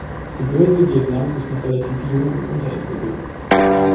Die Börse Vietnam ist noch relativ jung und unterentwickelt.